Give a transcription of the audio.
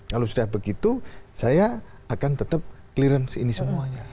kalau sudah begitu saya akan tetap clearance ini semuanya